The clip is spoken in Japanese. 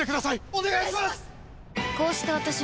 お願いします！